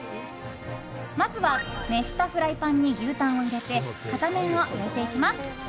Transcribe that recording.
まずは熱したフライパンに牛タンを入れて片面を焼いていきます。